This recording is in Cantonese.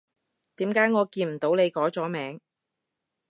點解我見唔到你改咗名？